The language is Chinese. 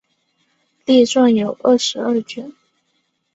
列传有二十二卷。